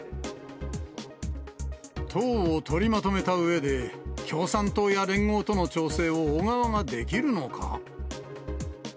党を取りまとめたうえで、共産党や連合との調整を小川ができるのか。